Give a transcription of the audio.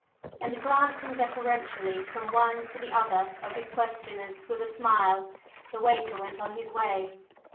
And glancing deferentially from one to the other of his questioners with a smile, the waiter went on his way.